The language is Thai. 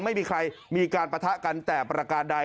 ไม่มีใครมีการปะทะกันแต่ประการใด